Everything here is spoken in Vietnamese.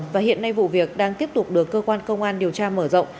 và hiện nay vụ việc đang tiếp tục được cơ quan công an điều tra mở rộng